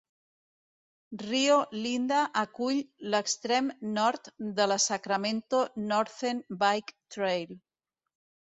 Rio Linda acull l"extrem nord de la Sacramento Northern Bike Trail.